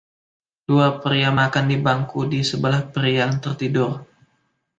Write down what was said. Dua pria makan di bangku di sebelah pria yang tertidur.